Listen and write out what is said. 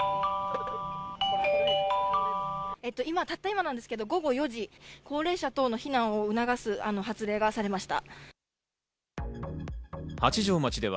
たった今なんですけど午後４時、高齢者等の避難を促す発令がされました。